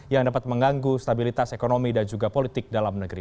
yang dapat mengganggu stabilitas ekonomi dan juga politik dalam negeri